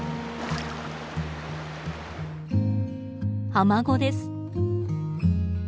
アマゴです。